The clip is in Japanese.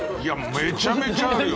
めちゃめちゃあるよ。